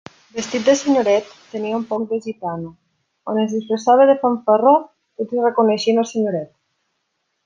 Vestit de senyoret, tenia un poc de gitano; quan es disfressava de fanfarró, tots hi reconeixien el senyoret.